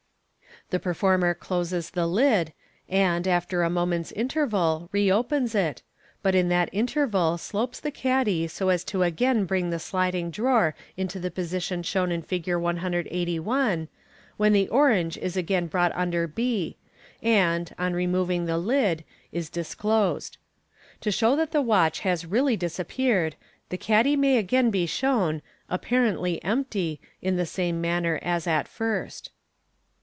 The performer closes the lid, and, after a moment's interval, reopens it, but in that interval slopes the caddy so as to again bring the sliding drawer into the posi tion shown in Fig. 181, when the orange <s again brought un der b, and, on re moving the lid, is dis closed. To show that the watch has really disappeared, the caddy may again be shown (apparently) empty, in the same manner as at first.